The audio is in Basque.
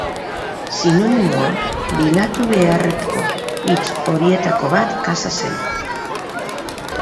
Sinonimoa bilatu beharreko hitz horietako bat casa zen.